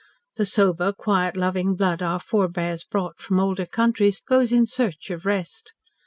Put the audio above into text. The sober, quiet loving blood our forbears brought from older countries goes in search of rest.